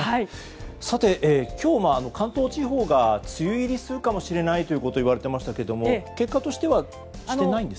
さて、今日は関東地方が梅雨入りするかもしれないといわれていましたけど結果としてはしてないんですね。